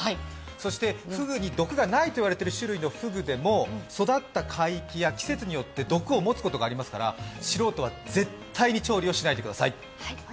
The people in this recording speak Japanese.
そして毒がないといわれている種類のフグでも育った海域や季節によって毒を持つことがありますから、素人は絶対に調理をしないでください！